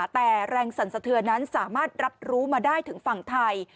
แต่แรงสั่นสะเทือนนั้นสามารถรับรู้มาได้ถึงฝั่งไทย